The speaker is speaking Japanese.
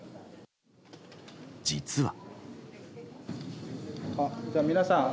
実は。